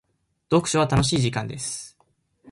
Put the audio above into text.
読書は楽しい時間です。